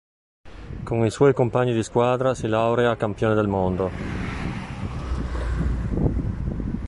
Con i suoi compagni di squadra si laurea campione del mondo.